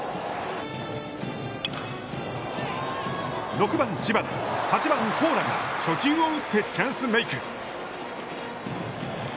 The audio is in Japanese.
６番知花、８番高良が初球を打ってチャンスメーク。